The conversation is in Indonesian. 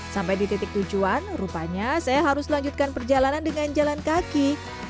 sampai di titik tujuan rupanya saya harus lanjutkan perjalanan dengan jalan kaki